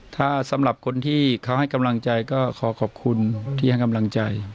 ถ้าสำหรับคนที่เขาให้กำลังใจก็ขอขอบคุณที่ให้กำลังใจ